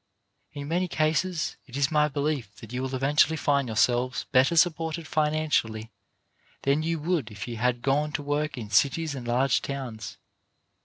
In many cases, it is my belief, you will eventually find yourselves better supported financially than you would if you had gone to work in cities and large towns.